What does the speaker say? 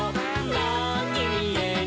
「なんにみえる？